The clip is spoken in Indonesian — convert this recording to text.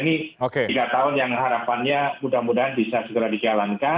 ini tiga tahun yang harapannya mudah mudahan bisa segera dijalankan